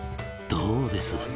「どうです？